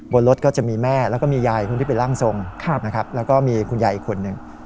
บนรถก็จะมีแม่แล้วก็มียายคนที่เป็นร่างทรงนะครับแล้วก็มีคุณยายอีกคนหนึ่ง